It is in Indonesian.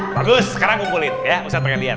bagus sekarang kumpulin ya